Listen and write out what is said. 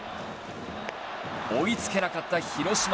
追いつけなかった広島。